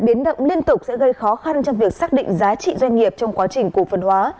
biến động liên tục sẽ gây khó khăn trong việc xác định giá trị doanh nghiệp trong quá trình cổ phần hóa